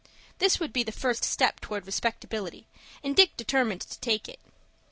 This would be the first step towards respectability, and Dick determined to take it.